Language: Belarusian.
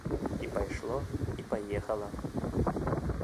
І пайшло, і паехала.